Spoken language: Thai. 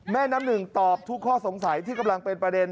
แม่น้ำหนึ่งตอบทุกข้อสงสัยที่กำลังเป็นประเด็น